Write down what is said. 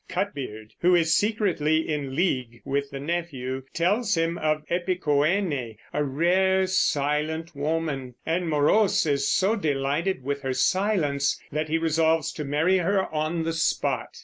Cutbeard (who is secretly in league with the nephew) tells him of Epicoene, a rare, silent woman, and Morose is so delighted with her silence that he resolves to marry her on the spot.